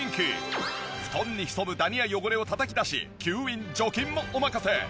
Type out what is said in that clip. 布団に潜むダニや汚れをたたき出し吸引・除菌もお任せ。